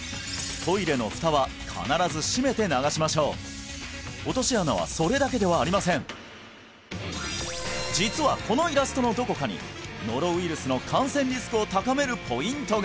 トイレのフタは必ず閉めて流しましょう落とし穴はそれだけではありません実はこのイラストのどこかにノロウイルスの感染リスクを高めるポイントが！